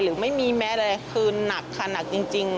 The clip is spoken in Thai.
หรือไม่มีแม้อะไรคือหนักค่ะหนักจริง